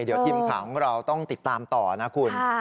เดี๋ยวทีมข่าวของเราต้องติดตามต่อนะคุณ